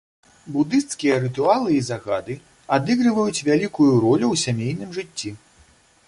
Будысцкія рытуалы і загады адыгрываюць вялікую ролю ў сямейным жыцці.